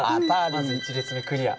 まず１列目クリア。